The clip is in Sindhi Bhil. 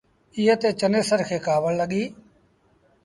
ايئي تي چنيسر کي ڪآوڙ لڳيٚ۔